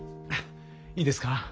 いいですか？